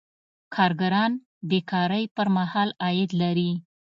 کارګران بې کارۍ پر مهال عاید لري.